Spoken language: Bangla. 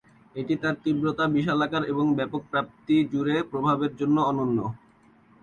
এটি তার তীব্রতা, বিশালাকার এবং ব্যাপক ব্যাপ্তি জুড়ে প্রভাবের জন্য অনন্য।